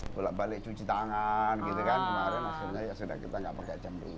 pulak balik cuci tangan gitu kan kemarin ya sudah kita gak pakai jam dulu